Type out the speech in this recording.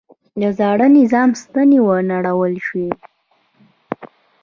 د زاړه نظام ستنې ونړول شوې.